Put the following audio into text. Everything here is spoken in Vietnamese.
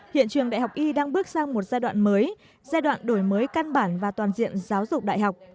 hiện trường đại học y đang bước sang một giai đoạn mới giai đoạn đổi mới căn bản và toàn diện giáo dục đại học